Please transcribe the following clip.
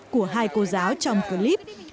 của hai cô giáo trong clip